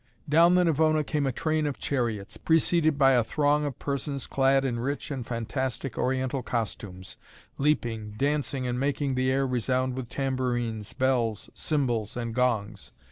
Down the Navona came a train of chariots, preceded by a throng of persons, clad in rich and fantastic Oriental costumes, leaping, dancing and making the air resound with tambourines, bells, cymbals and gongs.